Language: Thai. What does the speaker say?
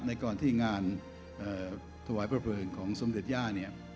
ก่อนที่งานถวายพระเพลิงของสมเด็จย่าเนี่ย